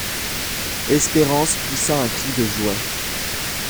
Espérance poussa un cri de joie.